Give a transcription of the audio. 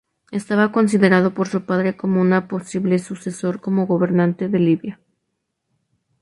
Estaba considerado por su padre como un posible sucesor como gobernante de Libia.